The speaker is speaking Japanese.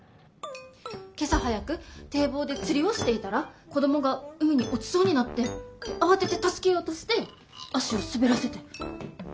今朝早く堤防で釣りをしていたら子供が海に落ちそうになって慌てて助けようとして足を滑らせて今病院に。